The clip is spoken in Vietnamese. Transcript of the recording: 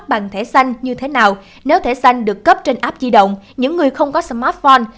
bằng thẻ xanh như thế nào nếu thẻ xanh được cấp trên app di động những người không có smartphone